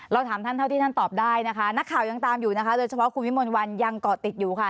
ถามท่านเท่าที่ท่านตอบได้นะคะนักข่าวยังตามอยู่นะคะโดยเฉพาะคุณวิมลวันยังเกาะติดอยู่ค่ะ